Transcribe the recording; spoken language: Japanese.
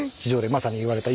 まさに言われたえ！